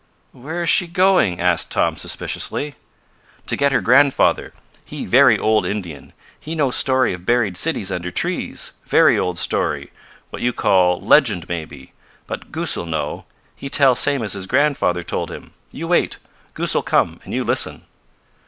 "Where is she going?" asked Tom suspiciously. "To get her grandfather. He very old Indian. He know story of buried cities under trees. Very old story what you call legend, maybe. But Goosal know. He tell same as his grandfather told him. You wait. Goosal come, and you listen."